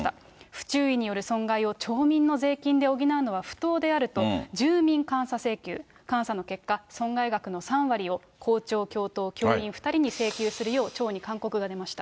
不注意による損害を町民の税金で補うのは不当であると、住民監査請求、監査の結果、損害額の３割を校長、教頭、教員２人に請求するよう町に勧告が出ました。